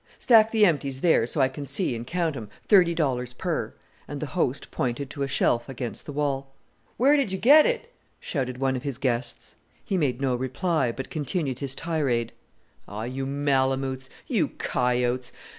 "Stack the empties there so I can see and count 'em; thirty dollars per," and the host pointed to a shelf against the wall. "Where did you get it?" shouted one of his guests. He made no reply, but continued his tirade. "Oh, you malamoots, you coyotes!